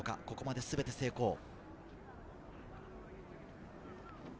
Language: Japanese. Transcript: ここまで全て成功。